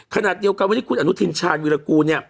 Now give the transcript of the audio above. ขณะเดียวกันวันนี้คุณอนุทินชาญวิรากูลเนี่ย